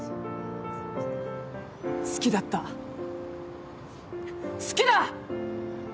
好きだった、好きだ！